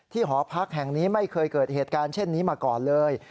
หอพักแห่งนี้ไม่เคยเกิดเหตุการณ์เช่นนี้มาก่อนเลย